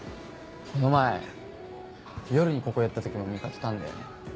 この前夜にここ寄った時も見かけたんだよね。